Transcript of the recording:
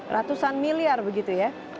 ratusan miliar begitu ya